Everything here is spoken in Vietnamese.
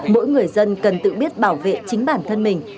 mỗi người dân cần tự biết bảo vệ chính bản thân mình